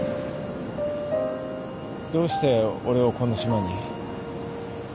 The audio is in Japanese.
どうして俺をこの島に？